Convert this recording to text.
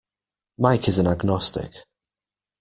Mike is an agnostic.